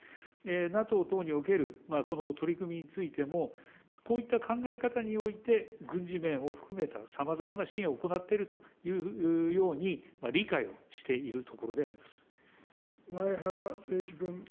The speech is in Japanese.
ＮＡＴＯ等における、この取り組みについても、こういった考え方において軍事面を含めた、さまざまな支援を行っているというように理解をしているところで前原誠司君。